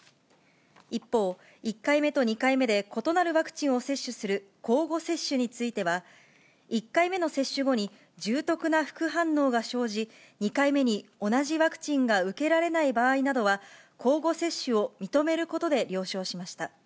一方、１回目と２回目で異なるワクチンを接種する交互接種については、１回目の接種後に重篤な副反応が生じ、２回目に同じワクチンが受けられない場合などは、交互接種を認めることで了承しました。